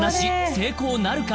成功なるか？